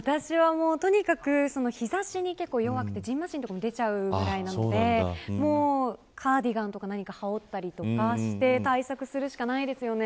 とにかく日差しに弱くてじんましんとかも出ちゃうのでカーディガンとか何か羽織ったりして対策するしかないですよね。